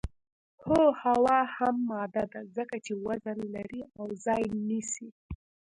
هو هوا هم ماده ده ځکه چې وزن لري او ځای نیسي